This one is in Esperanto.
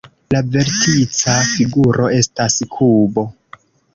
La vertica figuro estas kubo.